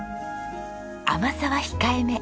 甘さは控えめ。